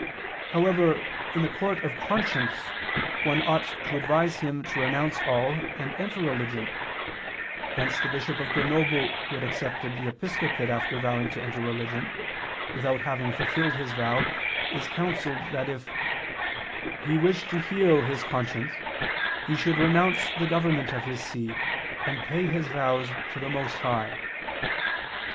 However, in the court of conscience one ought to advise him to renounce all and enter religion. Hence (Extra, De Voto et Voti Redemptione, cap. Per tuas) the Bishop of Grenoble, who had accepted the episcopate after vowing to enter religion, without having fulfilled his vow, is counseled that if "he wish to heal his conscience he should renounce the government of his see and pay his vows to the Most High."